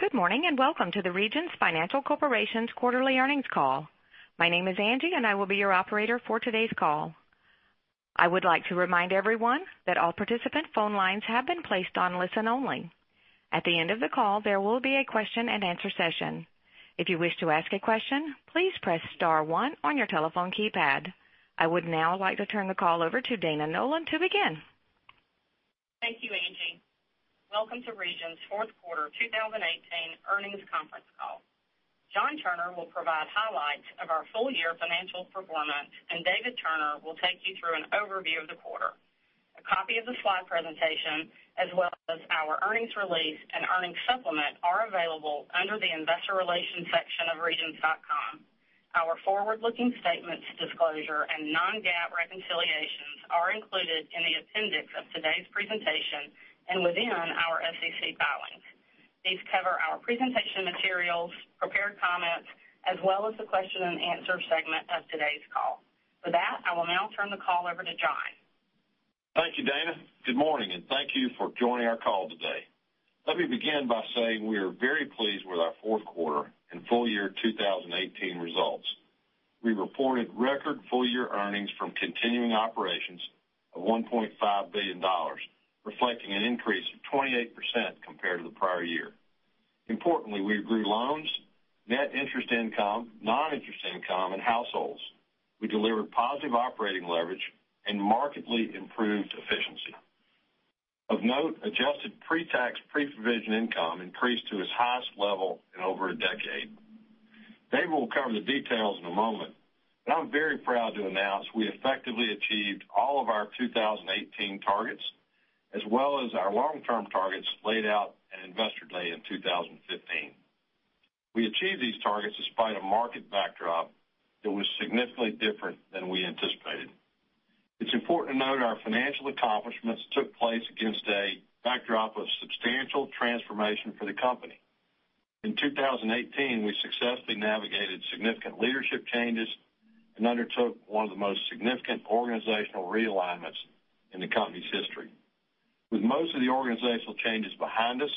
Good morning, and welcome to the Regions Financial Corporation's quarterly earnings call. My name is Angie, and I will be your operator for today's call. I would like to remind everyone that all participant phone lines have been placed on listen only. At the end of the call, there will be a question and answer session. If you wish to ask a question, please press star one on your telephone keypad. I would now like to turn the call over to Dana Nolan to begin. Thank you, Angie. Welcome to Regions' fourth quarter 2018 earnings conference call. John Turner will provide highlights of our full year financial performance, and David Turner will take you through an overview of the quarter. A copy of the slide presentation, as well as our earnings release and earnings supplement, are available under the investor relations section of regions.com. Our forward-looking statements disclosure and non-GAAP reconciliations are included in the appendix of today's presentation and within our SEC filings. These cover our presentation materials, prepared comments, as well as the question and answer segment of today's call. With that, I will now turn the call over to John. Thank you, Dana. Good morning, and thank you for joining our call today. Let me begin by saying we are very pleased with our fourth quarter and full year 2018 results. We reported record full year earnings from continuing operations of $1.5 billion, reflecting an increase of 28% compared to the prior year. Importantly, we grew loans, net interest income, non-interest income, and households. We delivered positive operating leverage and markedly improved efficiency. Of note, adjusted pre-tax, pre-provision income increased to its highest level in over a decade. David will cover the details in a moment, but I'm very proud to announce we effectively achieved all of our 2018 targets, as well as our long-term targets laid out at Investor Day in 2015. We achieved these targets despite a market backdrop that was significantly different than we anticipated. It's important to note our financial accomplishments took place against a backdrop of substantial transformation for the company. In 2018, we successfully navigated significant leadership changes and undertook one of the most significant organizational realignments in the company's history. With most of the organizational changes behind us,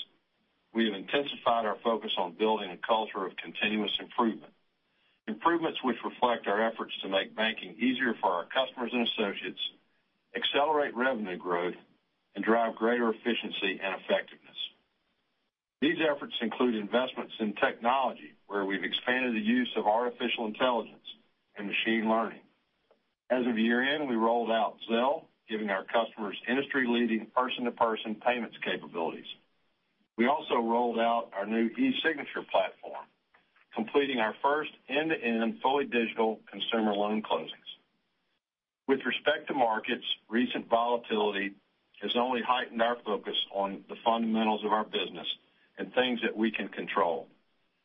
we have intensified our focus on building a culture of continuous improvement, improvements which reflect our efforts to make banking easier for our customers and associates, accelerate revenue growth, and drive greater efficiency and effectiveness. These efforts include investments in technology, where we've expanded the use of artificial intelligence and machine learning. As of year-end, we rolled out Zelle, giving our customers industry-leading person-to-person payments capabilities. We also rolled out our new e-signature platform, completing our first end-to-end fully digital consumer loan closings. With respect to markets, recent volatility has only heightened our focus on the fundamentals of our business and things that we can control,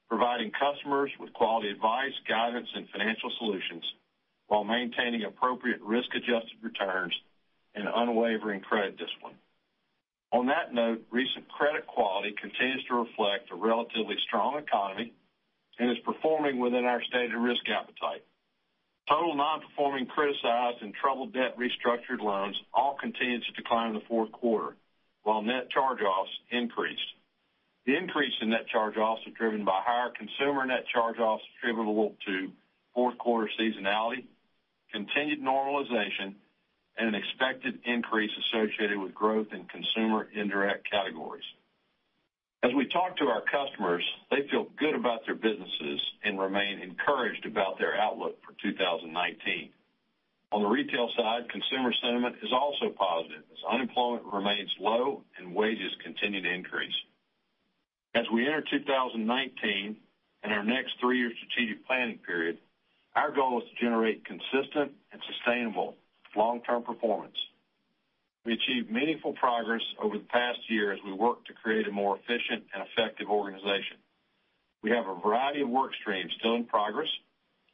providing customers with quality advice, guidance, and financial solutions while maintaining appropriate risk-adjusted returns and unwavering credit discipline. On that note, recent credit quality continues to reflect a relatively strong economy and is performing within our stated risk appetite. Total non-performing criticized and troubled debt restructuring loans all continued to decline in the fourth quarter while net charge-offs increased. The increase in net charge-offs was driven by higher consumer net charge-offs attributable to fourth quarter seasonality, continued normalization, and an expected increase associated with growth in consumer indirect categories. As we talk to our customers, they feel good about their businesses and remain encouraged about their outlook for 2019. On the retail side, consumer sentiment is also positive as unemployment remains low and wages continue to increase. As we enter 2019 and our next three-year strategic planning period, our goal is to generate consistent and sustainable long-term performance. We achieved meaningful progress over the past year as we work to create a more efficient and effective organization. We have a variety of work streams still in progress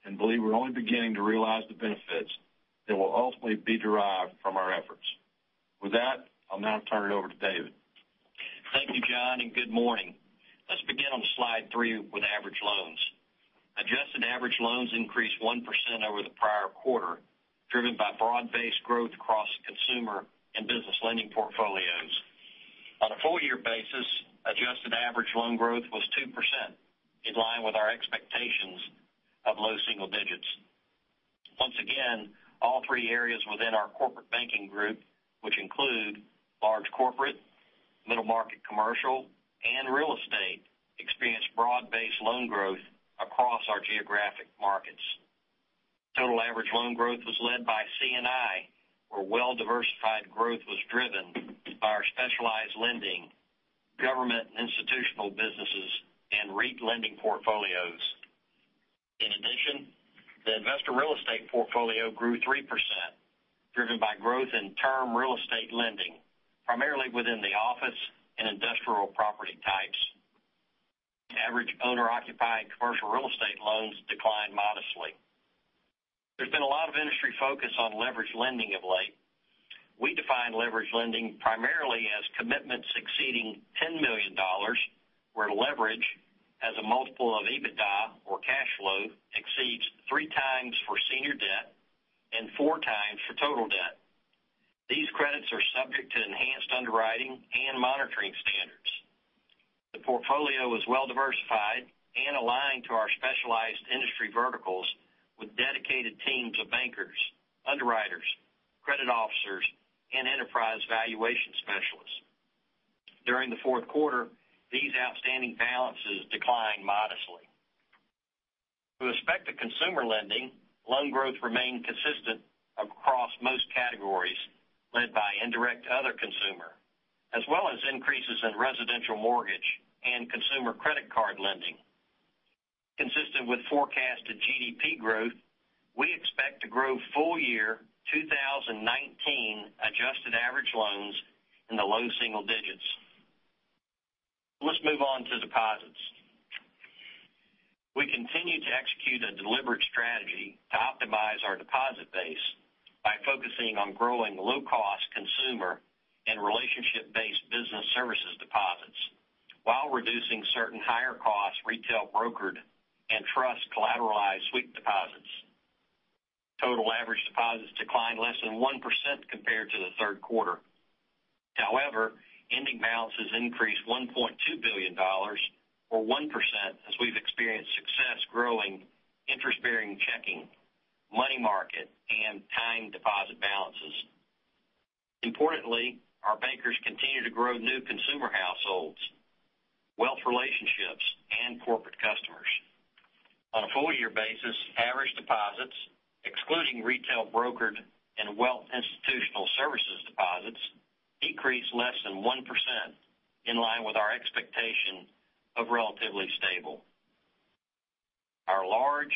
and believe we're only beginning to realize the benefits that will ultimately be derived from our efforts. With that, I'll now turn it over to David. Thank you, John, and good morning. Let's begin on slide three with average loans. Adjusted average loans increased 1% over the prior quarter, driven by broad-based growth across consumer and business lending portfolios. On a full year basis, adjusted average loan growth was 2%, in line with our expectations of low single digits. Once again, all three areas within our corporate banking group, which include large corporate, middle market commercial, and real estate, experienced broad-based loan growth across our geographic markets. Total average loan growth was led by C&I, where well-diversified growth was driven by our specialized lending, government and institutional businesses, and REIT lending portfolios. In addition, the investor real estate portfolio grew 3%, driven by growth in term real estate lending, primarily within the office and industrial property types. Average owner-occupied commercial real estate loans declined modestly. There's been a lot of industry focus on leverage lending of late. We define leverage lending primarily as commitments exceeding $10 million, where leverage as a multiple of EBITDA or cash flow exceeds 3x for senior debt and 4x for total debt. This credits are subject to enhanced underwriting and monitoring standards. The portfolio is well diversified and aligned to our specialized industry verticals with dedicated teams of bankers, underwriters, credit officers, and enterprise valuation specialists. During the fourth quarter, these outstanding balances declined modestly. With respect to consumer lending, loan growth remained consistent across most categories, led by indirect other consumer, as well as increases in residential mortgage and consumer credit card lending. Consistent with forecasted GDP growth, we expect to grow full year 2019 adjusted average loans in the low single digits. Let's move on to deposits. We continue to execute a deliberate strategy to optimize our deposit base by focusing on growing low-cost consumer and relationship-based business services deposits while reducing certain higher costs retail brokered and trust collateralized sweep deposits. Total average deposits declined less than 1% compared to the third quarter. However, ending balances increased $1.2 billion, or 1%, as we've experienced success growing interest-bearing checking, money market, and time deposit balances. Importantly, our bankers continue to grow new consumer households, wealth relationships, and corporate customers. On a full year basis, average deposits, excluding retail brokered and wealth institutional services deposits, decreased less than 1%, in line with our expectation of relatively stable. Our large,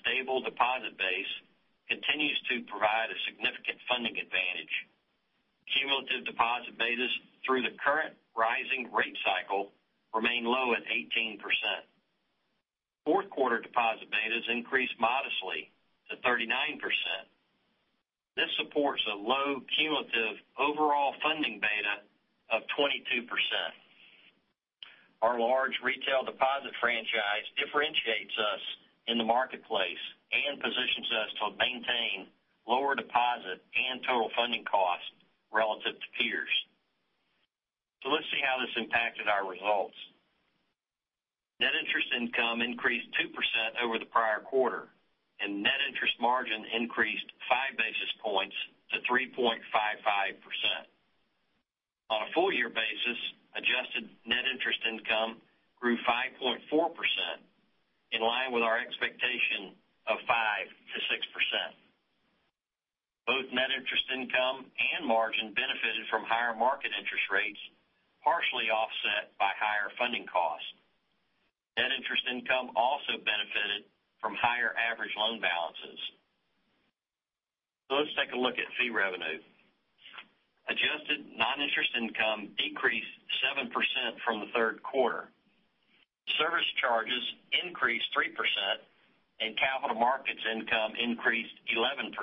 stable deposit base continues to provide a significant funding advantage. Cumulative deposit betas through the current rising rate cycle remain low at 18%. Fourth quarter deposit betas increased modestly to 39%. This supports a low cumulative overall funding beta of 22%. Our large retail deposit franchise differentiates us in the marketplace and positions us to maintain lower deposit and total funding costs relative to peers. Let's see how this impacted our results. Net interest income increased 2% over the prior quarter, and net interest margin increased five basis points to 3.55%. On a full year basis, adjusted net interest income grew 5.4%, in line with our expectation of 5%-6%. Both net interest income and margin benefited from higher market interest rates, partially offset by higher funding costs. Net interest income also benefited from higher average loan balances. Let's take a look at fee revenue. Adjusted non-interest income decreased 7% from the third quarter. Service charges increased 3%, and capital markets income increased 11%.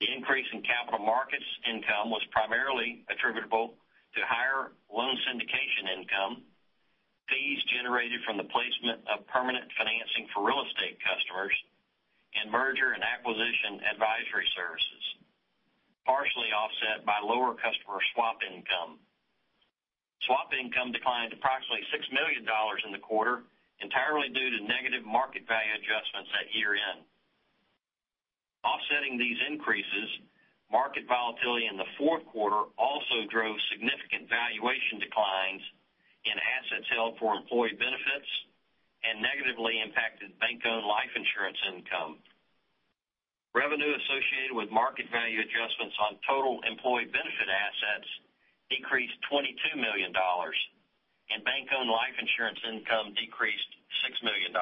The increase in capital markets income was primarily attributable to higher loan syndication income, fees generated from the placement of permanent financing for real estate customers, and merger and acquisition advisory services, partially offset by lower customer swap income. Swap income declined approximately $6 million in the quarter, entirely due to negative market value adjustments at year-end. Offsetting these increases, market volatility in the fourth quarter also drove significant valuation declines in assets held for employee benefits and negatively impacted bank-owned life insurance income. Revenue associated with market value adjustments on total employee benefit assets decreased $22 million, and bank-owned life insurance income decreased $6 million.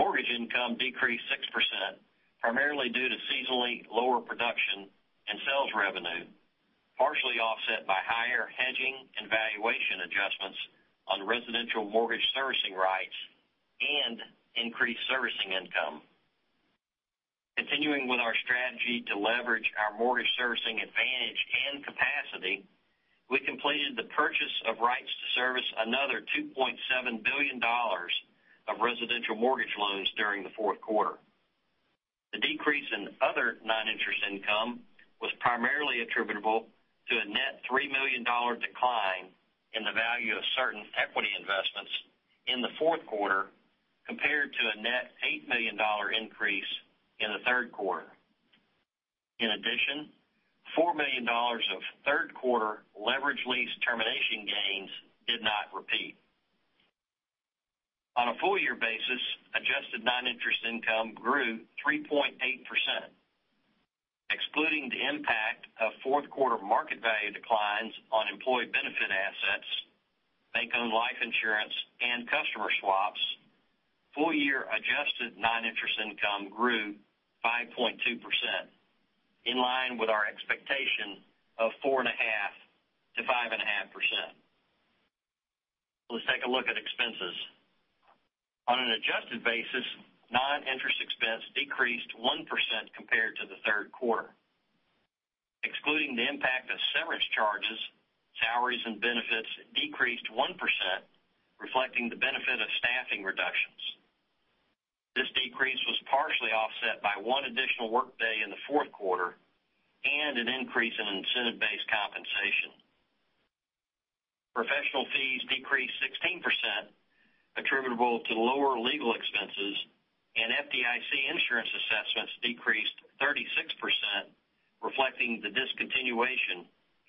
Mortgage income decreased 6%, primarily due to seasonally lower production and sales revenue, partially offset by higher hedging and valuation adjustments on residential mortgage servicing rights and increased servicing income. Continuing with our strategy to leverage our mortgage servicing advantage and capacity, we completed the purchase of rights to service another $2.7 billion of residential mortgage loans during the fourth quarter. The decrease in other non-interest income was primarily attributable to a net $3 million decline in the value of certain equity investments in the fourth quarter compared to a net $8 million increase in the third quarter. In addition, $4 million of third quarter leveraged lease termination gains did not repeat. On a full year basis, adjusted non-interest income grew 3.8%, excluding the impact of fourth quarter market value declines on employee benefit assets, bank-owned life insurance, and customer swaps. Full year adjusted non-interest income grew 5.2%, in line with our expectation of 4.5%-5.5%. Let's take a look at expenses. On an adjusted basis, non-interest expense decreased 1% compared to the third quarter. Excluding the impact of severance charges, salaries and benefits decreased 1%, reflecting the benefit of staffing reductions. This decrease was partially offset by one additional workday in the fourth quarter and an increase in incentive-based compensation. Professional fees decreased 16%, attributable to lower legal expenses. FDIC insurance assessments decreased 36%, reflecting the discontinuation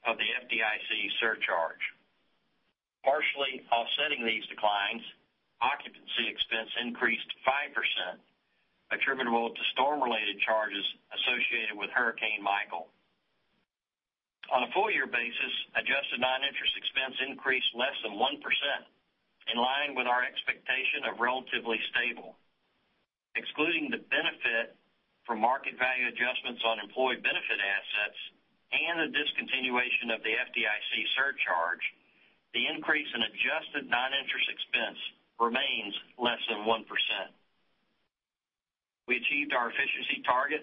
of the FDIC surcharge. Partially offsetting these declines, occupancy expense increased 5%, attributable to storm-related charges associated with Hurricane Michael. On a full-year basis, adjusted non-interest expense increased less than 1%, in line with our expectation of relatively stable. Excluding the benefit from market value adjustments on employee benefit assets and the discontinuation of the FDIC surcharge, the increase in adjusted non-interest expense remains less than 1%. We achieved our efficiency target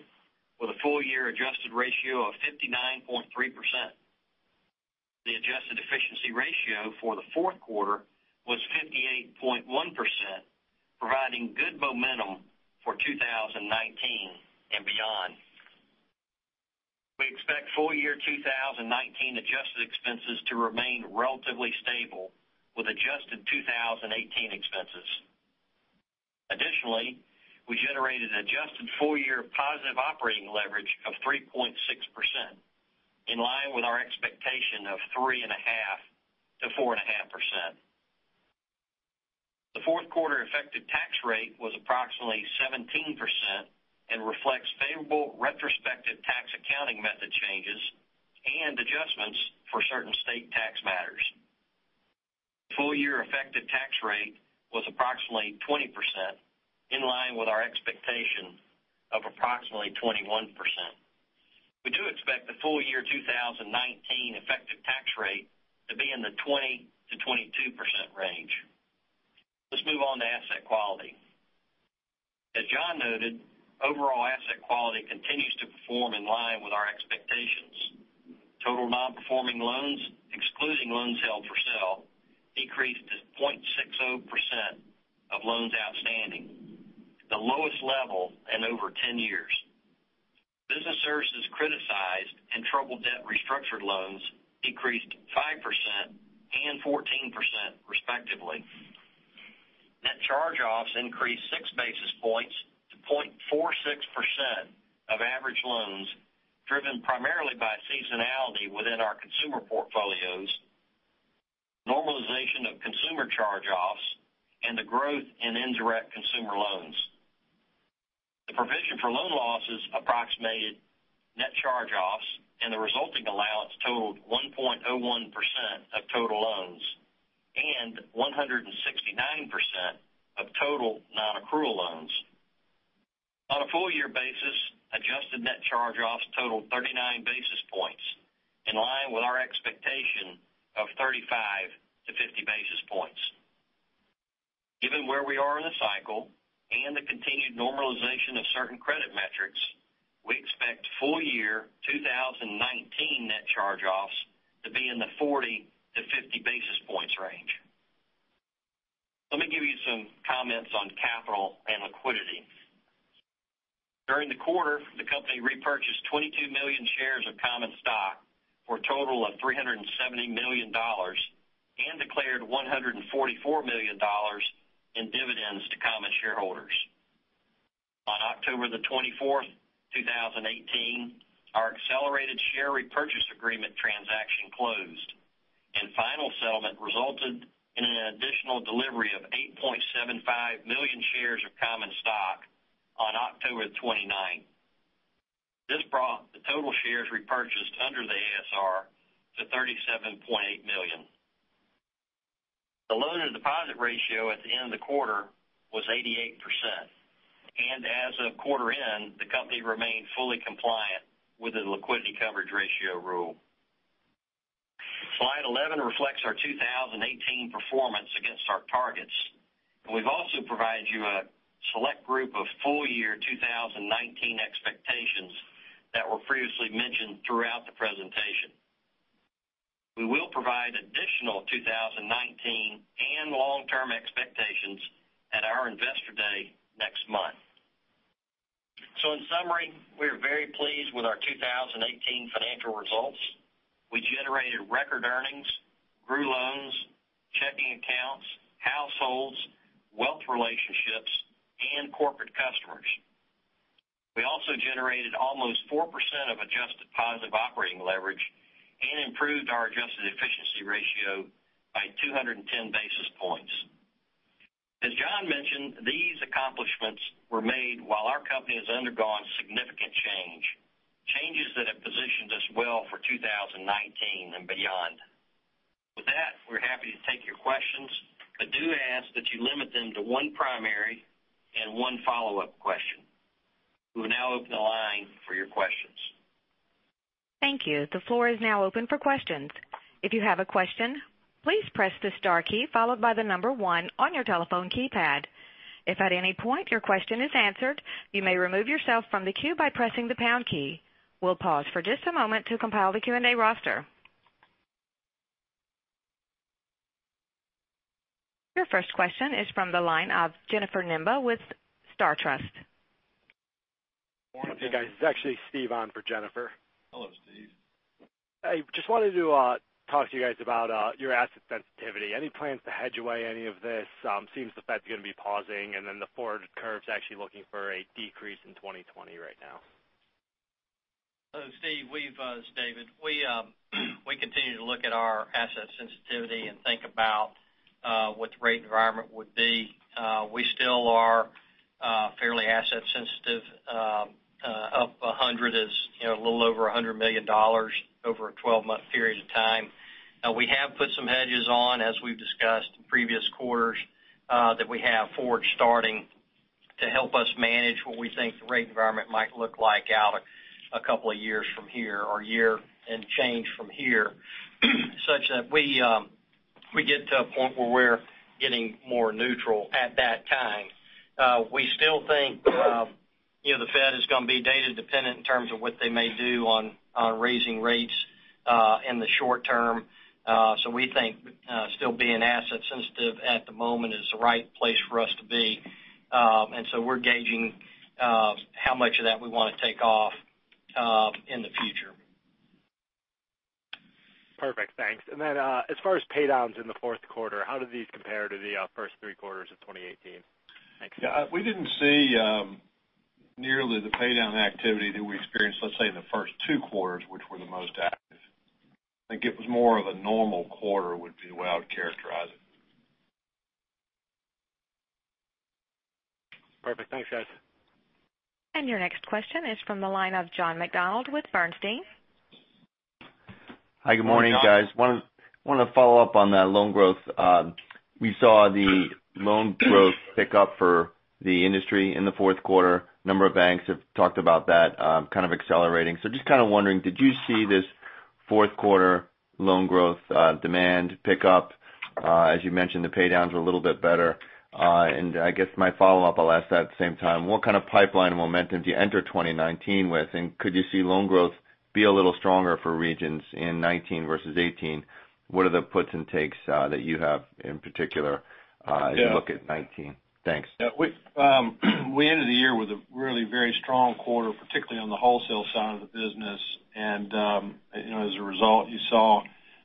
with a full-year adjusted ratio of 59.3%. The adjusted efficiency ratio for the fourth quarter was 58.1%, providing good momentum for 2019 and beyond. We expect full-year 2019 adjusted expenses to remain relatively stable with adjusted 2018 expenses. Additionally, we generated adjusted full-year positive operating leverage of 3.6%, in line with our expectation of 3.5%-4.5%. The fourth quarter effective tax rate was approximately 17% and reflects favorable retrospective tax accounting method changes and adjustments for certain state tax matters. Full-year effective tax rate was approximately 20%, in line with our expectation of approximately 21%. We do expect the full-year 2019 effective tax rate to be in the 20%-22% range. Let's move on to asset quality. As John noted, overall asset quality continues to perform in line with our expectations. Total non-performing loans, excluding loans held for sale, decreased to 0.60% of loans outstanding, the lowest level in over 10 years. Business services criticized and troubled debt restructuring loans decreased 5% and 14%, respectively. Net charge-offs increased 6 basis points to 0.46% of average loans, driven primarily by seasonality within our consumer portfolios, normalization of consumer charge-offs, and the growth in indirect consumer loans. The provision for loan losses approximated net charge-offs. The resulting allowance totaled 1.01% of total loans and 169% of total non-accrual loans. On a full-year basis, adjusted net charge-offs totaled 39 basis points, in line with our expectation of 35-50 basis points. Given where we are in the cycle and the continued normalization of certain credit metrics, we expect full-year 2019 net charge-offs to be in the 40-50 basis points range. Let me give you some comments on capital and liquidity. During the quarter, the company repurchased 22 million shares of common stock for a total of $370 million and declared $144 million in dividends to common shareholders. On October the 24th, 2018, our accelerated share repurchase agreement transaction closed, and final settlement resulted in an additional delivery of 8.75 million shares of common stock on October 29th. This brought the total shares repurchased under the ASR to 37.8 million. The loan-to-deposit ratio at the end of the quarter was 88%, and as of quarter end, the company remained fully compliant with the liquidity coverage ratio rule. Slide 11 reflects our 2018 performance against our targets. We've also provided you a select group of full-year 2019 expectations that were previously mentioned throughout the presentation. We will provide additional 2019 and long-term expectations at our Investor Day next month. In summary, we are very pleased with our 2018 financial results. We generated record earnings, grew loans, checking accounts, households, wealth relationships, and corporate customers. We also generated almost 4% of adjusted positive operating leverage and improved our adjusted efficiency ratio by 210 basis points. As John mentioned, these accomplishments were made while our company has undergone significant change, changes that have positioned us well for 2019 and beyond. With that, we're happy to take your questions, but do ask that you limit them to one primary and one follow-up question. We will now open the line for your questions. Thank you. The floor is now open for questions. If you have a question, please press the star key followed by the number one on your telephone keypad. If at any point your question is answered, you may remove yourself from the queue by pressing the pound key. We'll pause for just a moment to compile the Q&A roster. Your first question is from the line of Jennifer Demba with SunTrust. Morning. Hey, guys. This is actually Steve on for Jennifer. Hello, Steve. I just wanted to talk to you guys about your asset sensitivity. Any plans to hedge away any of this? It seems the Fed's going to be pausing, the forward curve's actually looking for a decrease in 2020 right now. Steve, this is David. We continue to look at our asset sensitivity and think about what the rate environment would be. We still are fairly asset sensitive. Up 100 is a little over $100 million over a 12-month period of time. We have put some hedges on, as we've discussed in previous quarters, that we have forward starting to help us manage what we think the rate environment might look like out a couple of years from here, or a year and change from here, such that we get to a point where we're getting more neutral at that time. We still think the Fed is going to be data dependent in terms of what they may do on raising rates in the short term. We think still being asset sensitive at the moment is the right place for us to be. We're gauging how much of that we want to take off in the future. Perfect. Thanks. Then, as far as pay downs in the fourth quarter, how do these compare to the first three quarters of 2018? Thanks. We didn't see nearly the pay down activity that we experienced, let's say, in the first two quarters, which were the most active. I think it was more of a normal quarter, would be the way I would characterize it. Perfect. Thanks, guys. Your next question is from the line of John McDonald with Bernstein. Morning, John. Hi, good morning, guys. Wanted to follow up on that loan growth. We saw the loan growth tick up for the industry in the fourth quarter. A number of banks have talked about that kind of accelerating. Just kind of wondering, did you see this fourth quarter loan growth demand pick up? As you mentioned, the pay downs were a little bit better. I guess my follow-up, I'll ask that at the same time, what kind of pipeline momentum do you enter 2019 with, and could you see loan growth be a little stronger for Regions in 2019 versus 2018? What are the puts and takes that you have in particular as you look at 2019? Thanks. We ended the year with a really very strong quarter, particularly on the wholesale side of the business. As a result, you saw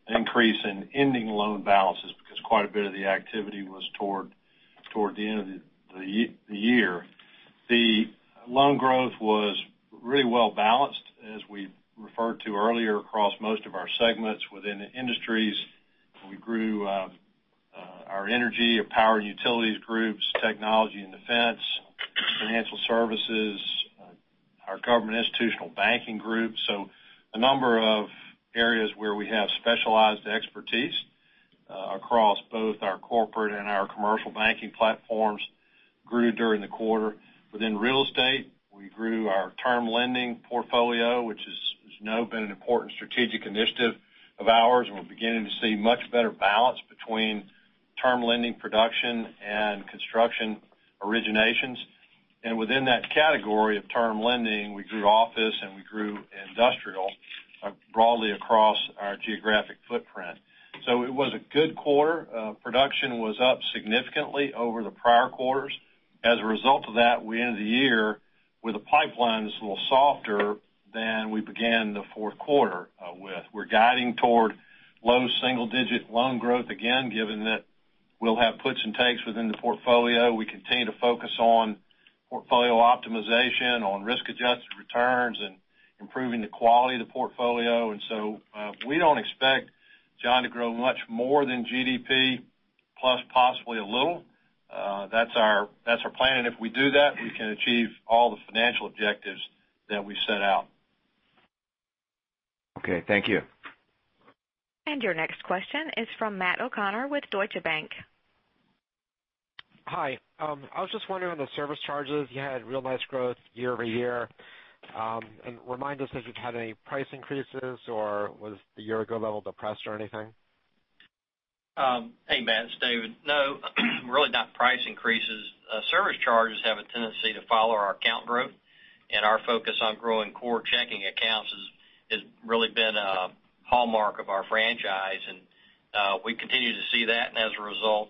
an increase in ending loan balances because quite a bit of the activity was toward the end of the year. The loan growth was really well balanced, as we referred to earlier, across most of our segments within the industries. We grew our energy and power and utilities groups, technology and defense, financial services, our government institutional banking group. A number of areas where we have specialized expertise across both our corporate and our commercial banking platforms grew during the quarter. Within real estate, we grew our term lending portfolio, which as you know, has been an important strategic initiative of ours, and we're beginning to see much better balance between term lending production and construction originations. Within that category of term lending, we grew office and we grew industrial broadly across our geographic footprint. It was a good quarter. Production was up significantly over the prior quarters. As a result of that, we ended the year with the pipelines a little softer than we began the fourth quarter with. We're guiding toward low single digit loan growth again, given that we'll have puts and takes within the portfolio. We continue to focus on portfolio optimization, on risk-adjusted returns, and improving the quality of the portfolio. We don't expect, John, to grow much more than GDP plus possibly a little. That's our plan. If we do that, we can achieve all the financial objectives that we set out. Okay. Thank you. Your next question is from Matthew O'Connor with Deutsche Bank. Hi. I was just wondering on the service charges, you had real nice growth year-over-year. Remind us, has it had any price increases, or was the year ago level depressed or anything? Hey, Matt. It's David. No, really not price increases. Service charges have a tendency to follow our account growth, our focus on growing core checking accounts has really been a hallmark of our franchise. We continue to see that, and as a result,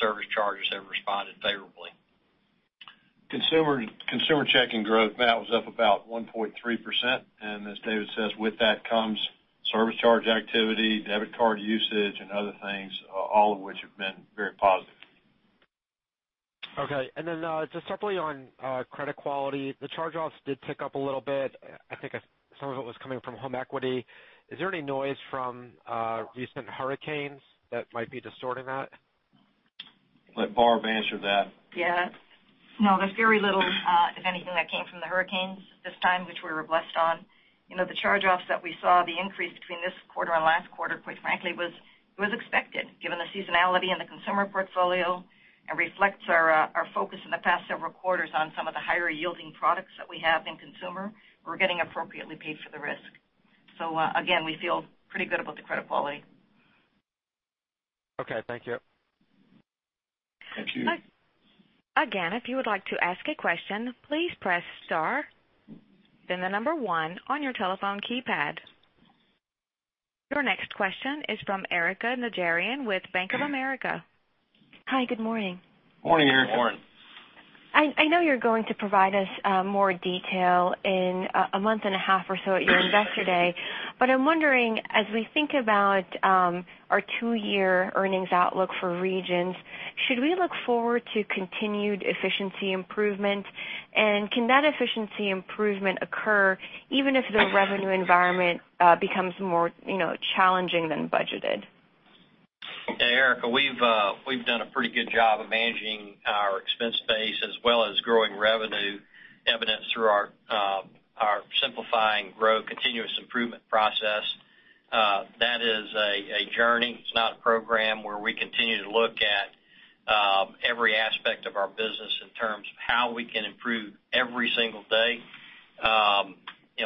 service charges have responded favorably. Consumer checking growth, Matthew O'Connor, was up about 1.3%. As David says, with that comes service charge activity, debit card usage, and other things, all of which have been very positive. Okay. Then just separately on credit quality, the charge-offs did tick up a little bit. I think some of it was coming from home equity. Is there any noise from recent hurricanes that might be distorting that? I'll let Barb answer that. Yes. No, there's very little, if anything, that came from the hurricanes this time, which we were blessed on. The charge-offs that we saw, the increase between this quarter and last quarter, quite frankly, was expected given the seasonality in the consumer portfolio and reflects our focus in the past several quarters on some of the higher yielding products that we have in consumer. We're getting appropriately paid for the risk. Again, we feel pretty good about the credit quality. Okay, thank you. Thank you. Again, if you would like to ask a question, please press star, then the number one on your telephone keypad. Your next question is from Erika Najarian with Bank of America. Hi, good morning. Morning, Erika. Morning. I know you're going to provide us more detail in a month and a half or so at your Investor Day, I'm wondering, as we think about our two-year earnings outlook for Regions, should we look forward to continued efficiency improvement? Can that efficiency improvement occur even if the revenue environment becomes more challenging than budgeted? Erika, we've done a pretty good job of managing our expense base as well as growing revenue evidenced through our Simplify and Grow continuous improvement process. That is a journey. It's not a program where we continue to look at every aspect of our business in terms of how we can improve every single day.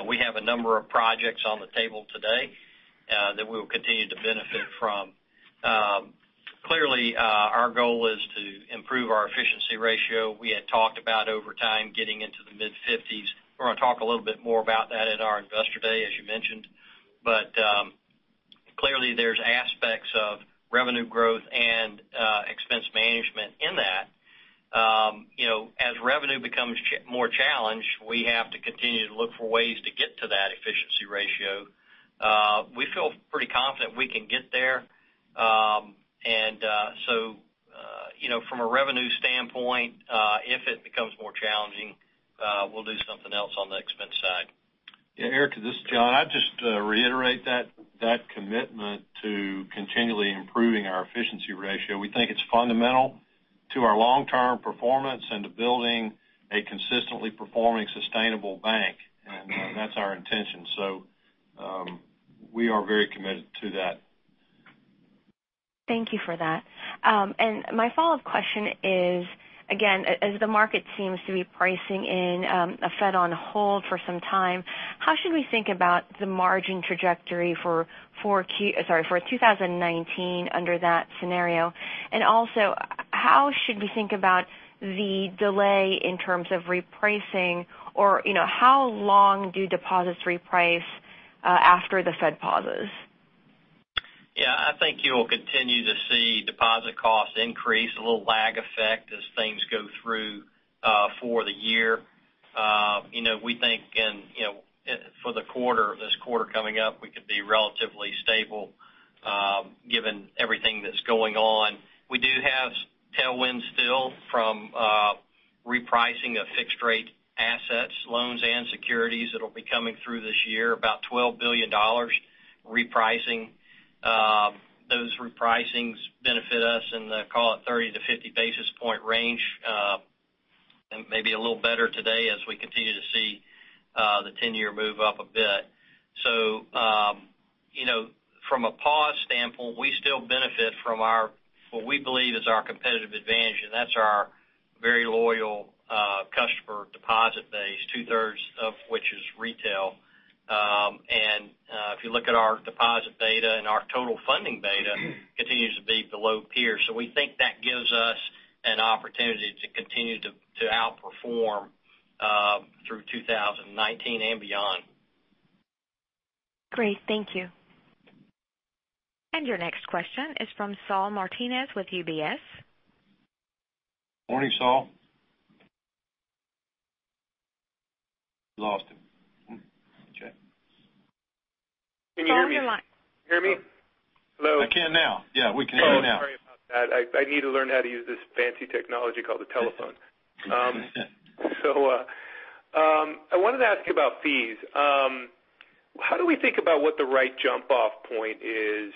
We have a number of projects on the table today that we will continue to benefit from. Clearly, our goal is to improve our efficiency ratio. We had talked about over time getting into the mid-50s. We're going to talk a little bit more about that at our Investor Day, as you mentioned. Clearly, there's aspects of revenue growth and expense management in that. As revenue becomes more challenged, we have to continue to look for ways to get to that efficiency ratio. We feel pretty confident we can get there. From a revenue standpoint, if it becomes more challenging, we'll do something else on the expense side. Erika, this is John. I will just reiterate that commitment to continually improving our efficiency ratio. We think it is fundamental to our long-term performance and to building a consistently performing sustainable bank, and that is our intention. We are very committed to that. Thank you for that. My follow-up question is, again, as the market seems to be pricing in a Fed on hold for some time, how should we think about the margin trajectory for 2019 under that scenario? Also, how should we think about the delay in terms of repricing, or how long do deposits reprice after the Fed pauses? Yeah, I think you will continue to see deposit costs increase, a little lag effect as things go through for the year. We think for this quarter coming up, we could be relatively stable given everything that is going on. We do have tailwinds still from repricing of fixed rate assets, loans, and securities that will be coming through this year, about $12 billion repricing. Those repricings benefit us in the, call it 30-50 basis point range, and maybe a little better today as we continue to see the 10-year move up a bit. From a pause standpoint, we still benefit from what we believe is our competitive advantage, and that is our very loyal customer deposit base, two-thirds of which is retail. If you look at our deposit beta and our total funding beta, continues to be below peer. We think that gives us an opportunity to continue to outperform through 2019 and beyond. Great. Thank you. Your next question is from Saul Martinez with UBS. Morning, Saul. Lost him. Okay. Can you hear me? Saul, you're on. Can you hear me? Hello? I can now. Yeah, we can hear you now. Oh, sorry about that. I need to learn how to use this fancy technology called a telephone. I wanted to ask about fees. How do we think about what the right jump-off point is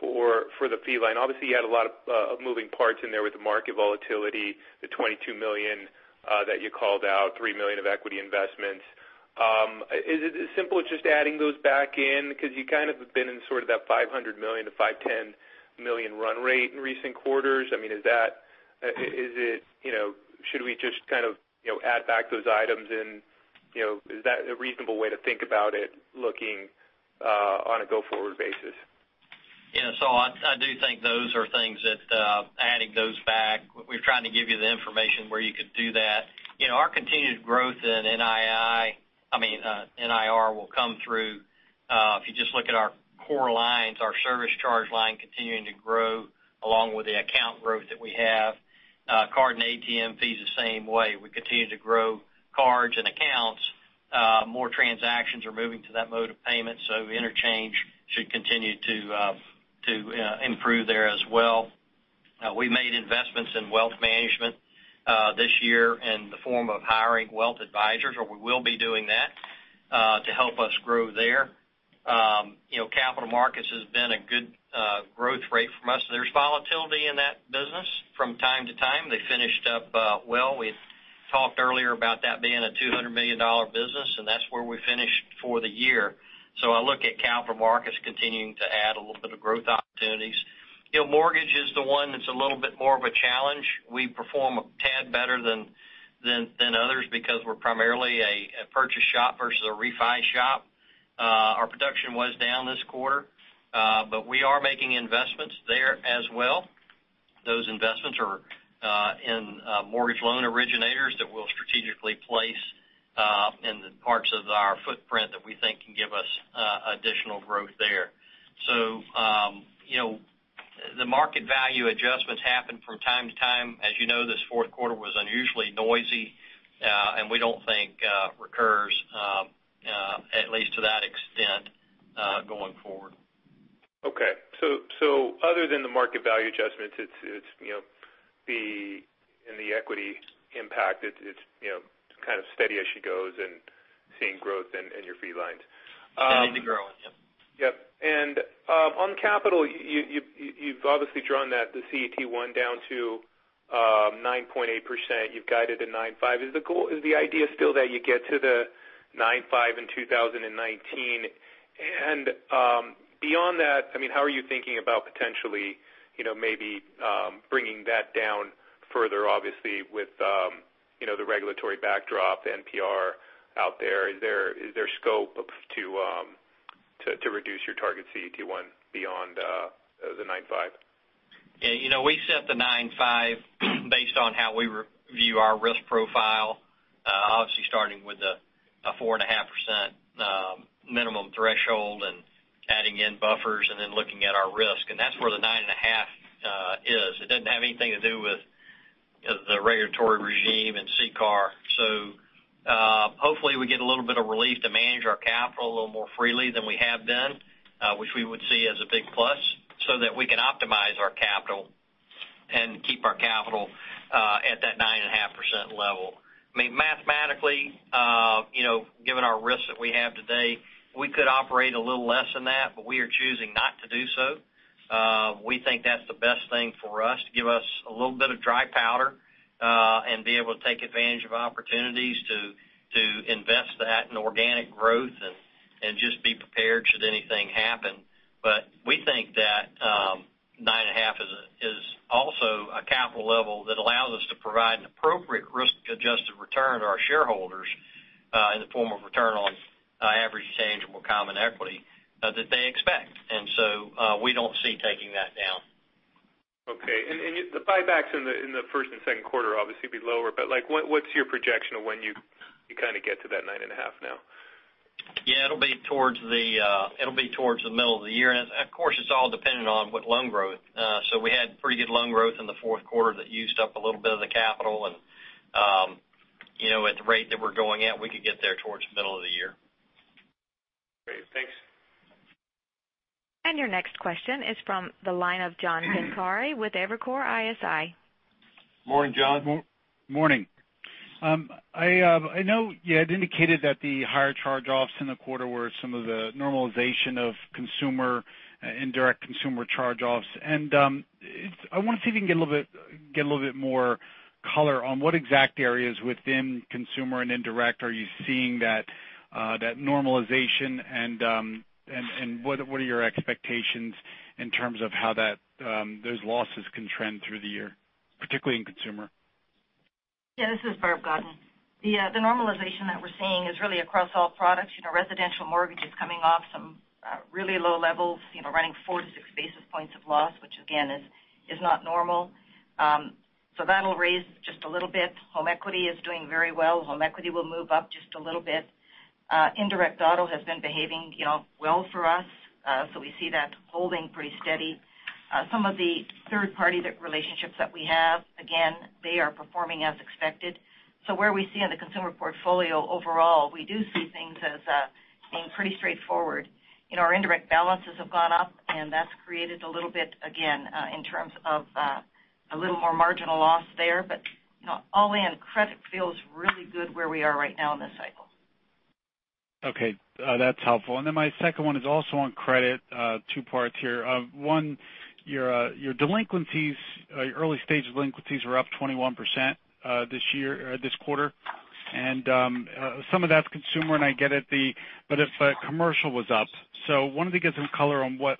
for the fee line? Obviously, you had a lot of moving parts in there with the market volatility, the $22 million that you called out, $3 million of equity investments. Is it as simple as just adding those back in? Because you kind of have been in sort of that $500 million-$510 million run rate in recent quarters. Should we just kind of add back those items in? Is that a reasonable way to think about it, looking on a go-forward basis? Yeah, Saul, I do think those are things that adding those back, we're trying to give you the information where you could do that. Our continued growth in NII, I mean, NIR will come through. If you just look at our core lines, our service charge line continuing to grow along with the account growth that we have. Card and ATM fees the same way. We continue to grow cards and accounts. More transactions are moving to that mode of payment, so interchange should continue to improve there as well. We made investments in wealth management this year in the form of hiring wealth advisors, or we will be doing that to help us grow there. Capital markets has been a good growth rate for us. There's volatility in that business from time to time. They finished up well. We talked earlier about that being a $200 million business, and that's where we finished for the year. I look at capital markets continuing to add a little bit of growth opportunities. Mortgage is the one that's a little bit more of a challenge. We perform a tad better than others because we're primarily a purchase shop versus a refi shop. Production was down this quarter. We are making investments there as well. Those investments are in mortgage loan originators that we'll strategically place in the parts of our footprint that we think can give us additional growth there. The market value adjustments happen from time to time. As you know, this fourth quarter was unusually noisy, and we don't think recurs, at least to that extent, going forward. Other than the market value adjustments, in the equity impact, it's kind of steady as she goes and seeing growth in your fee lines. Steady to growing. Yep. On capital, you've obviously drawn that, the CET1 down to 9.8%. You've guided to 9.5%. Is the idea still that you get to the 9.5% in 2019? Beyond that, how are you thinking about potentially maybe bringing that down further, obviously, with the regulatory backdrop NPR out there. Is there scope to reduce your target CET1 beyond the 9.5%? Yeah. We set the 9.5% based on how we review our risk profile. Obviously starting with a 4.5% minimum threshold and adding in buffers and then looking at our risk. That's where the 9.5% is. It doesn't have anything to do with the regulatory regime and CCAR. Hopefully we get a little bit of relief to manage our capital a little more freely than we have done, which we would see as a big plus so that we can optimize our capital and keep our capital at that 9.5% level. Mathematically, given our risks that we have today, we could operate a little less than that, but we are choosing not to do so. We think that's the best thing for us to give us a little bit of dry powder, and be able to take advantage of opportunities to invest that in organic growth and just be prepared should anything happen. We think that 9.5% is also a capital level that allows us to provide an appropriate risk-adjusted return to our shareholders, in the form of return on average tangible common equity, that they expect. We don't see taking that down. Okay. The buybacks in the first and second quarter obviously would be lower, but what's your projection of when you kind of get to that 9.5% now? Yeah, it'll be towards the middle of the year. Of course, it's all dependent on what loan growth. We had pretty good loan growth in the fourth quarter that used up a little bit of the capital. At the rate that we're going at, we could get there towards the middle of the year. Great. Thanks. Your next question is from the line of John Pancari with Evercore ISI. Morning, John. Morning. I know you had indicated that the higher charge-offs in the quarter were some of the normalization of indirect consumer charge-offs. I want to see if you can get a little bit more color on what exact areas within consumer and indirect are you seeing that normalization and what are your expectations in terms of how those losses can trend through the year, particularly in consumer? Yeah, this is Barbara Godin. The normalization that we're seeing is really across all products. Residential mortgage is coming off some really low levels, running four to six basis points of loss, which again, is not normal. That'll raise just a little bit. Home equity is doing very well. Home equity will move up just a little bit. Indirect auto has been behaving well for us. We see that holding pretty steady. Some of the third-party relationships that we have, again, they are performing as expected. Where we see in the consumer portfolio overall, we do see things as being pretty straightforward. Our indirect balances have gone up, and that's created a little bit again, in terms of a little more marginal loss there. All in, credit feels really good where we are right now in this cycle. Okay. That's helpful. My second one is also on credit. Two parts here. One, your delinquencies, your early stage delinquencies were up 21% this quarter. Some of that's consumer, and I get it, if commercial was up. Wanted to get some color on what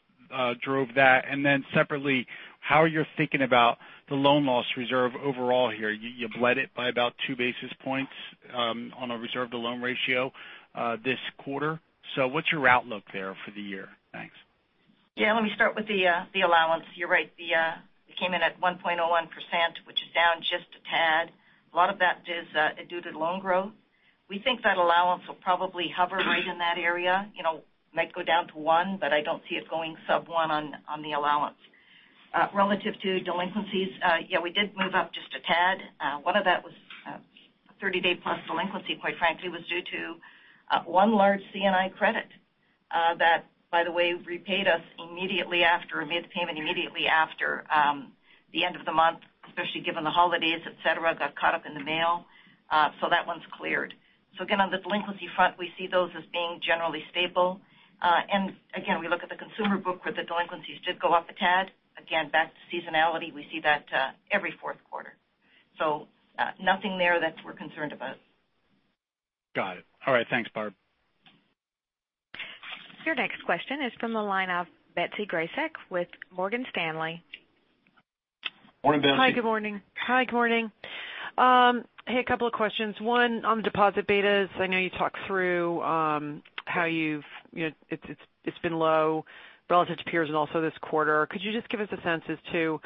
drove that, and then separately, how you're thinking about the loan loss reserve overall here. You bled it by about two basis points on a reserve to loan ratio this quarter. What's your outlook there for the year? Thanks. Yeah, let me start with the allowance. You're right. We came in at 1.01%, which is down just a tad. A lot of that is due to loan growth. We think that allowance will probably hover right in that area. Might go down to one, but I don't see it going sub one on the allowance. Relative to delinquencies, yeah, we did move up just a tad. One of that was a 30-day plus delinquency, quite frankly, was due to one large C&I credit, that, by the way, repaid us immediately after, made the payment immediately after the end of the month, especially given the holidays, et cetera, got caught up in the mail. That one's cleared. Again, on the delinquency front, we see those as being generally stable. Again, we look at the consumer book where the delinquencies did go up a tad. Again, back to seasonality, we see that every fourth quarter. Nothing there that we're concerned about. Got it. All right. Thanks, Barb. Your next question is from the line of Betsy Graseck with Morgan Stanley. Morning, Betsy. Hi, good morning. Hey, a couple of questions. One, on the deposit betas, I know you talked through how it's been low relative to peers and also this quarter. Could you just give us a sense as to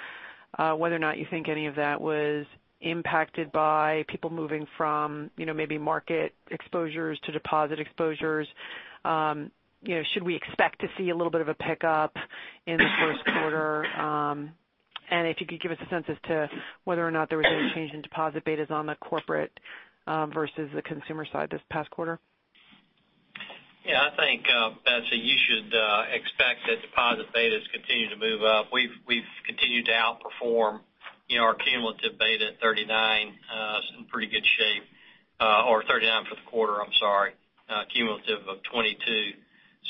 whether or not you think any of that was impacted by people moving from maybe market exposures to deposit exposures? Should we expect to see a little bit of a pickup in the first quarter? If you could give us a sense as to whether or not there was any change in deposit betas on the corporate versus the consumer side this past quarter. Betsy, you should expect that deposit betas continue to move up. We've continued to outperform our cumulative beta at 39. It's in pretty good shape, or 39 for the quarter, I'm sorry, cumulative of 22.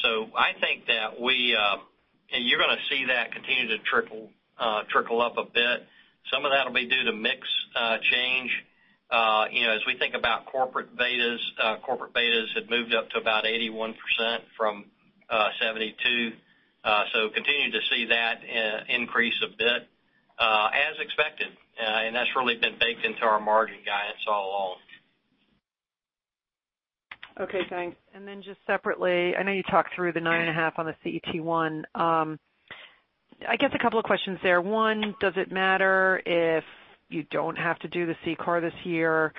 I think that you're going to see that continue to trickle up a bit. Some of that will be due to mix change. As we think about corporate betas, corporate betas have moved up to about 81% from 72. Continue to see that increase a bit as expected. That's really been baked into our margin guidance all along. Okay, thanks. Just separately, I know you talked through the 9.5 on the CET1. I guess a couple of questions there. One, does it matter if you don't have to do the CCAR this year?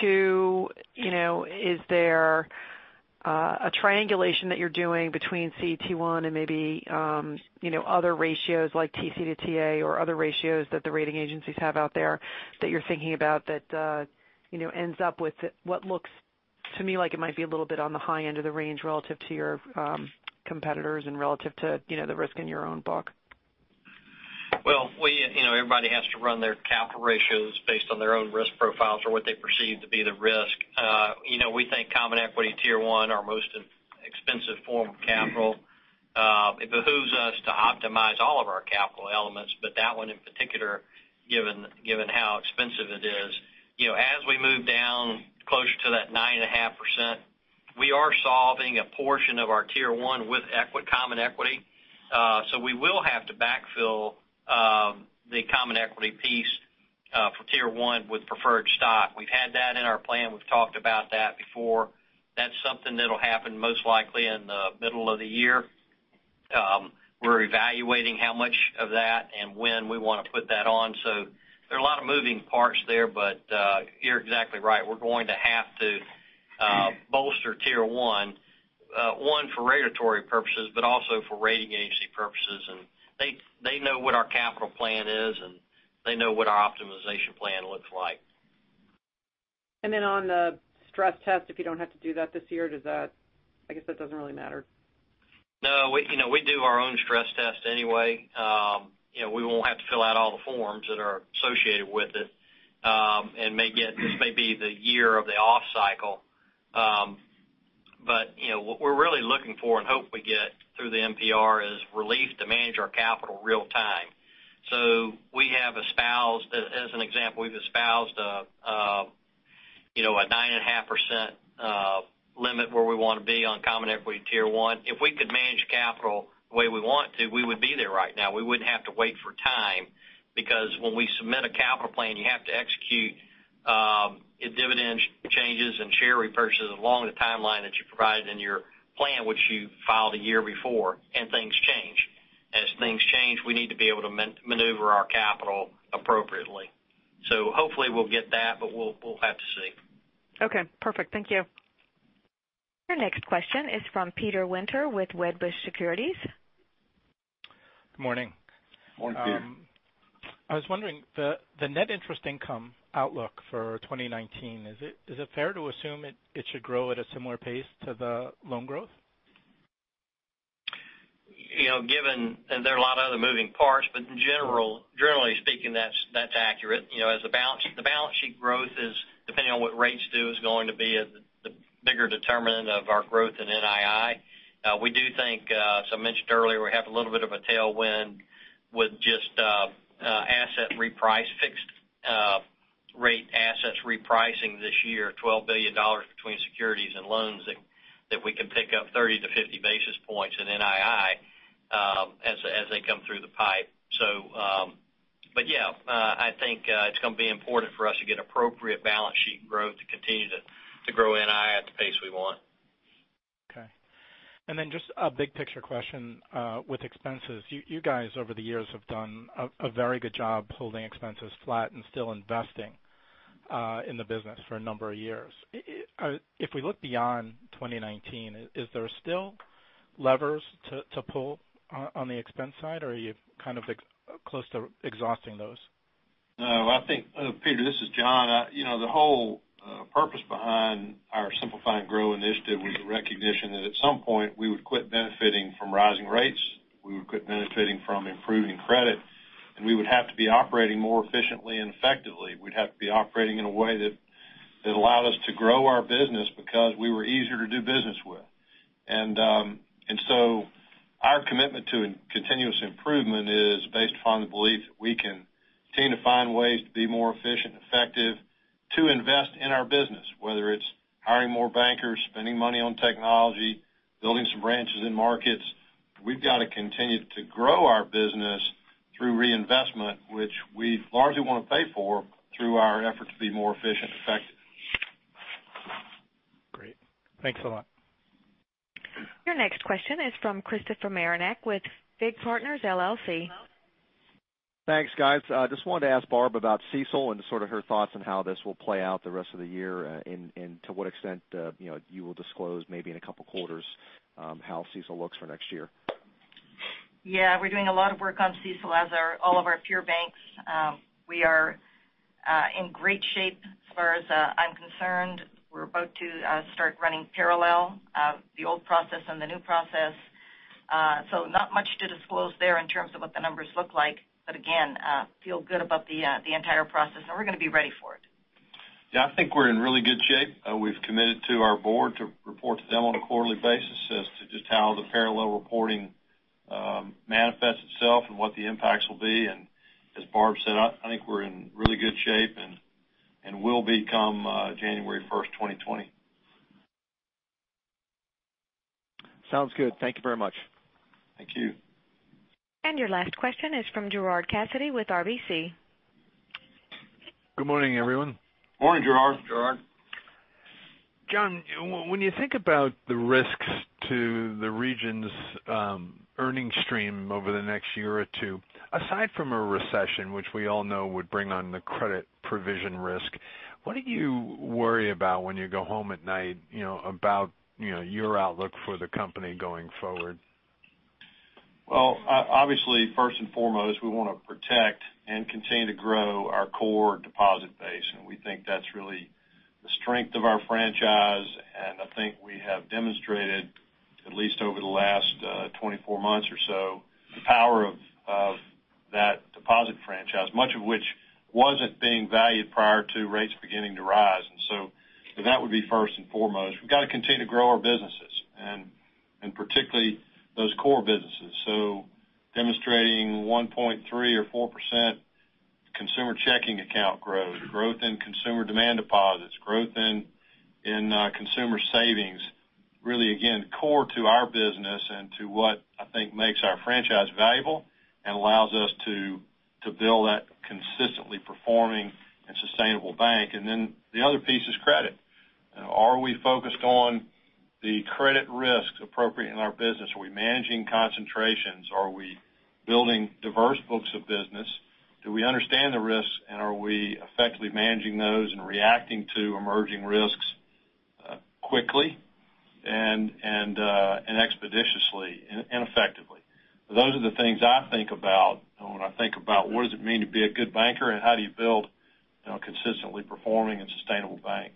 Two, is there a triangulation that you're doing between CET1 and maybe other ratios like TC to TA or other ratios that the rating agencies have out there that you're thinking about that ends up with what looks to me like it might be a little bit on the high end of the range relative to your competitors and relative to the risk in your own book? Well, everybody has to run their capital ratios based on their own risk profiles or what they perceive to be the risk. We think common equity Tier 1 are our most expensive form of capital. It behooves us to optimize all of our capital elements, but that one in particular, given how expensive it is. As we move down closer to that 9.5%, we are solving a portion of our Tier 1 with common equity. We will have to backfill the common equity piece for Tier 1 with preferred stock. We've had that in our plan. We've talked about that before. That's something that'll happen most likely in the middle of the year. We're evaluating how much of that and when we want to put that on. There are a lot of moving parts there, but you're exactly right. We're going to have to bolster Tier 1, one for regulatory purposes, but also for rating agency purposes. They know what our capital plan is, and they know what our optimization plan looks like. On the stress test, if you don't have to do that this year, I guess that doesn't really matter. No, we do our own stress test anyway. We won't have to fill out all the forms that are associated with it. This may be the year of the off cycle. What we're really looking for and hope we get through the NPR is relief to manage our capital real time. As an example, we've espoused a 9.5% limit where we want to be on common equity Tier 1. If we could manage capital the way we want to, we would be there right now. We wouldn't have to wait for time because when we submit a capital plan, you have to execute dividend changes and share repurchases along the timeline that you provided in your plan, which you filed a year before, and things change. As things change, we need to be able to maneuver our capital appropriately. Hopefully we'll get that, but we'll have to see. Okay, perfect. Thank you. Your next question is from Peter Winter with Wedbush Securities. Good morning. Morning, Peter. I was wondering, the net interest income outlook for 2019, is it fair to assume it should grow at a similar pace to the loan growth? Given, there are a lot of other moving parts, but generally speaking, that's accurate. The balance sheet growth is, depending on what rates do, is going to be the bigger determinant of our growth in NII. We do think, as I mentioned earlier, we have a little bit of a tailwind with just asset reprice, fixed rate assets repricing this year, $12 billion between securities and loans that we can pick up 30 to 50 basis points in NII as they come through the pipe. Yeah, I think it's going to be important for us to get appropriate balance sheet growth to continue to grow NII at the pace we want. Okay. Then just a big picture question with expenses. You guys, over the years, have done a very good job holding expenses flat and still investing in the business for a number of years. If we look beyond 2019, is there still levers to pull on the expense side, or are you kind of close to exhausting those? No, I think, Peter, this is John. The whole purpose behind our Simplify and Grow initiative was the recognition that at some point we would quit benefiting from rising rates, we would quit benefiting from improving credit, and we would have to be operating more efficiently and effectively. We'd have to be operating in a way that allowed us to grow our business because we were easier to do business with. Our commitment to continuous improvement is based upon the belief that we can continue to find ways to be more efficient, effective to invest in our business, whether it's hiring more bankers, spending money on technology, building some branches in markets. We've got to continue to grow our business through reinvestment, which we largely want to pay for through our efforts to be more efficient and effective. Great. Thanks a lot. Your next question is from Christopher Marinac with FIG Partners, LLC. Thanks, guys. Just wanted to ask Barb about CECL and sort of her thoughts on how this will play out the rest of the year and to what extent you will disclose maybe in a couple of quarters how CECL looks for next year. Yeah. We're doing a lot of work on CECL as are all of our peer banks. We are in great shape as far as I'm concerned. We're about to start running parallel, the old process and the new process. Not much to disclose there in terms of what the numbers look like, again, feel good about the entire process, and we're going to be ready for it. Yeah, I think we're in really good shape. We've committed to our board to report to them on a quarterly basis as to just how the parallel reporting manifests itself and what the impacts will be. As Barb said, I think we're in really good shape and will be come January 1st, 2020. Sounds good. Thank you very much. Thank you. Your last question is from Gerard Cassidy with RBC. Good morning, everyone. Morning, Gerard. Morning, Gerard. John, when you think about the risks to Regions' earning stream over the next year or two, aside from a recession, which we all know would bring on the credit provision risk, what do you worry about when you go home at night about your outlook for the company going forward? Well, obviously, first and foremost, we want to protect and continue to grow our core deposit base, and we think that's really the strength of our franchise. I think we have demonstrated, at least over the last 24 months or so, the power of that deposit franchise, much of which wasn't being valued prior to rates beginning to rise. That would be first and foremost. We've got to continue to grow our businesses, and particularly those core businesses. Demonstrating 1.3% or 4% consumer checking account growth in consumer demand deposits, growth in consumer savings, really, again, core to our business and to what I think makes our franchise valuable and allows us to build that consistently performing and sustainable bank. The other piece is credit. Are we focused on the credit risks appropriate in our business? Are we managing concentrations? Are we building diverse books of business? Do we understand the risks, and are we effectively managing those and reacting to emerging risks quickly and expeditiously and effectively? Those are the things I think about when I think about what does it mean to be a good banker and how do you build a consistently performing and sustainable bank.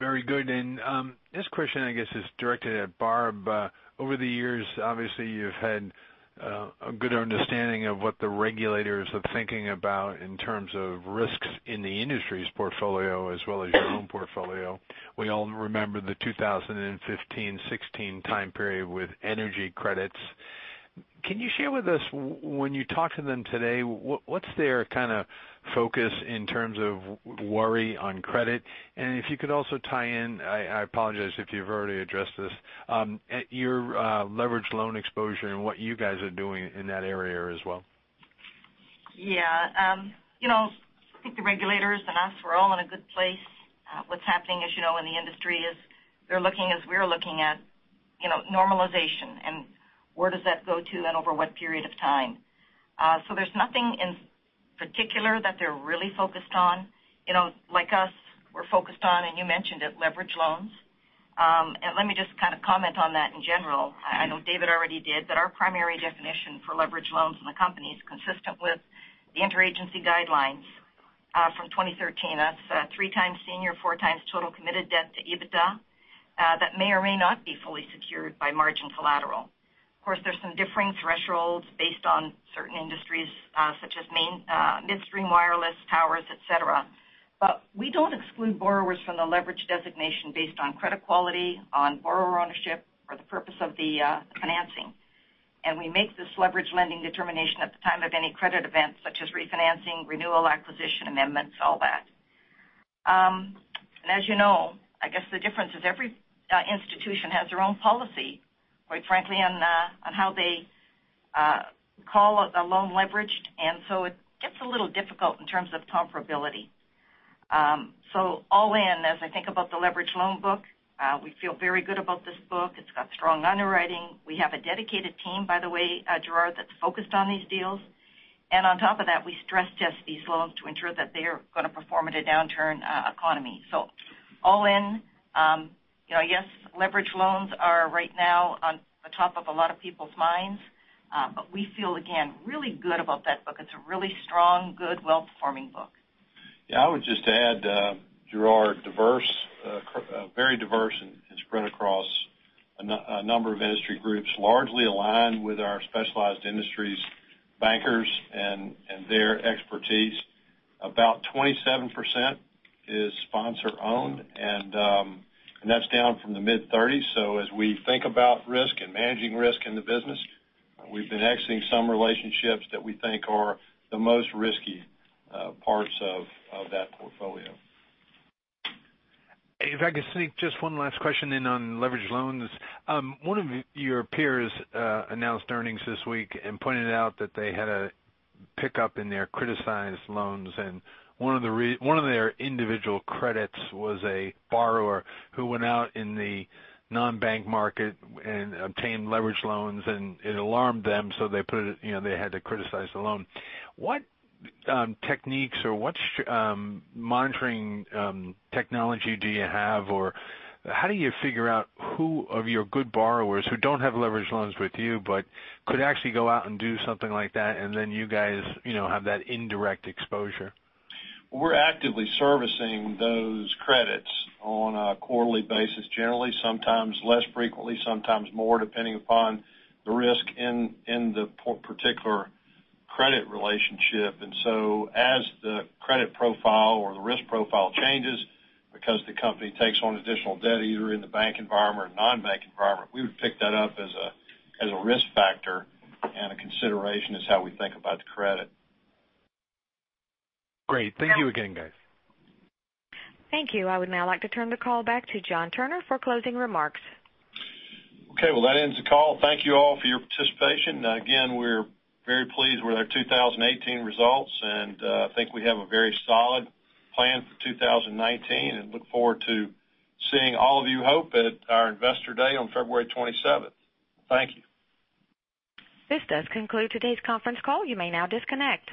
Very good. This question, I guess, is directed at Barb. Over the years, obviously, you've had a good understanding of what the regulators are thinking about in terms of risks in the industry's portfolio as well as your own portfolio. We all remember the 2015-2016 time period with energy credits. Can you share with us, when you talk to them today, what's their kind of focus in terms of worry on credit? If you could also tie in, I apologize if you've already addressed this, your leverage loan exposure and what you guys are doing in that area as well. Yeah. I think the regulators and us, we're all in a good place. What's happening, as you know, in the industry is they're looking, as we're looking at normalization and where does that go to and over what period of time. There's nothing in particular that they're really focused on. Like us, we're focused on, you mentioned it, leverage loans. Let me just kind of comment on that in general. I know David already did, but our primary definition for leverage loans in the company is consistent with the interagency guidelines from 2013. That's 3x senior, 4x total committed debt to EBITDA that may or may not be fully secured by margin collateral. Of course, there's some differing thresholds based on certain industries such as midstream wireless towers, et cetera. We don't exclude borrowers from the leverage designation based on credit quality, on borrower ownership, or the purpose of the financing. We make this leverage lending determination at the time of any credit event, such as refinancing, renewal, acquisition, amendments, all that. As you know, I guess the difference is every institution has their own policy, quite frankly, on how they call a loan leveraged, and it gets a little difficult in terms of comparability. All in, as I think about the leverage loan book, we feel very good about this book. It's got strong underwriting. We have a dedicated team, by the way, Gerard, that's focused on these deals. On top of that, we stress test these loans to ensure that they're going to perform at a downturn economy. All in, yes, leverage loans are right now on the top of a lot of people's minds. We feel, again, really good about that book. It's a really strong, good, well-performing book. Yeah, I would just add, Gerard, very diverse and spread across a number of industry groups, largely aligned with our specialized industries bankers and their expertise. About 27% is sponsor-owned, that's down from the mid-30s. As we think about risk and managing risk in the business, we've been exiting some relationships that we think are the most risky parts of that portfolio. If I could sneak just one last question in on leverage loans. One of your peers announced earnings this week and pointed out that they had a pickup in their criticized loans, one of their individual credits was a borrower who went out in the non-bank market and obtained leverage loans, it alarmed them, they had to criticize the loan. What techniques or what monitoring technology do you have, or how do you figure out who of your good borrowers who don't have leverage loans with you but could actually go out and do something like that, then you guys have that indirect exposure? We're actively servicing those credits on a quarterly basis, generally, sometimes less frequently, sometimes more, depending upon the risk in the particular credit relationship. As the credit profile or the risk profile changes because the company takes on additional debt, either in the bank environment or non-bank environment, we would pick that up as a risk factor and a consideration as how we think about the credit. Great. Thank you again, guys. Thank you. I would now like to turn the call back to John Turner for closing remarks. Okay. Well, that ends the call. Thank you all for your participation. Again, we're very pleased with our 2018 results, and I think we have a very solid plan for 2019 and look forward to seeing all of you, hope, at our Investor Day on February 27th. Thank you. This does conclude today's conference call. You may now disconnect.